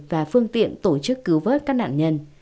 và phương tiện tổ chức cứu vớt các nạn nhân